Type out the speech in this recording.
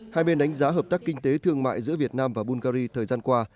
hai bên đánh giá hợp tác kinh tế thương mại giữa việt nam và bungary thời gian qua